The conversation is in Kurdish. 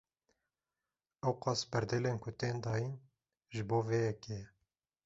Ewqas berdêlên ku tên dayin, ji bo vê yekê ye